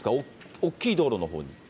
大きい道路のほうに。